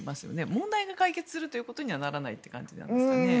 問題を解決することにはならないという感じじゃないですかね。